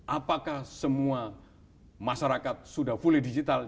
apakah semua masyarakat sudah fully digital